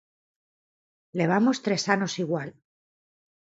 Levamos tres anos igual.